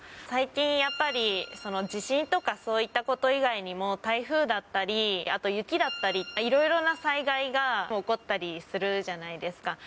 最近やっぱり、その地震とかそういったこと以外にも、台風だったり、あと雪だったり、いろいろな災害が起こったりするじゃないですか。